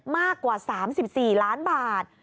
มากกว่า๓๔ล้านบาท